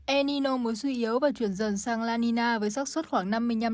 enino mới suy yếu và chuyển dần sang lanina với sắc suất khoảng năm mươi năm sáu mươi